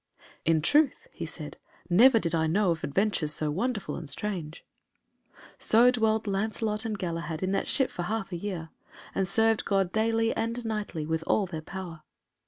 "In truth," he said, "never did I know of adventures so wonderful and strange." So dwelled Lancelot and Galahad in that ship for half a year, and served God daily and nightly with all their power.